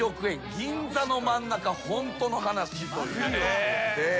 「銀座の真ん中ホントの話」という。